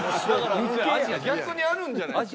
逆にあるんじゃないですか？